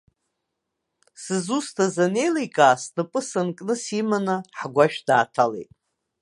Сызусҭаз анеиликаа, снапы санкны симаны ҳгәашә дааҭалеит.